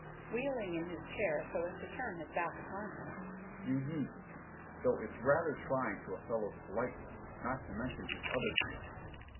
—wheeling in his chair so as to turn his back upon her—"you needn't. Though it's rather trying to a fellow's politeness, not to mention his other feelings.